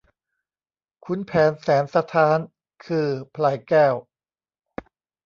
ขุนแผนแสนสะท้าน คือพลายแก้ว